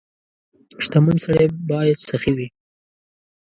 • شتمن سړی باید سخي وي.